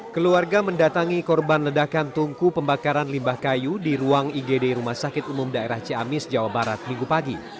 keluarga mendatangi korban ledakan tungku pembakaran limbah kayu di ruang igd rumah sakit umum daerah ciamis jawa barat minggu pagi